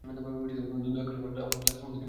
দয়া করে আমার ক্লাসরুম থেকে বের হয়ে যাও।